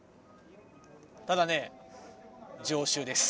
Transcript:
ただね常習です。